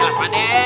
ya apa deh